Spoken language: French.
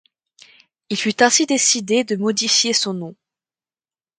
Il fut ainsi décidé de modifier son nom.